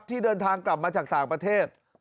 ที่เดินทางกลับมาจากต่างประเทศ